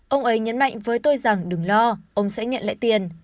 ông ấy nhấn mạnh với tôi rằng đừng lo ông sẽ nhận lại tiền